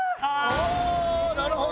ああなるほど！